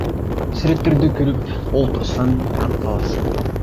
Сүрөттөрдү көрүп олтурсаң таң каласың.